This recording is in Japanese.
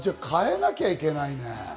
変えなきゃいけないね。